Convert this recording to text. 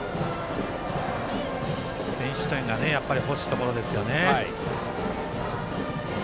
先取点が欲しいところですよね。